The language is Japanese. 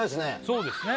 そうですね。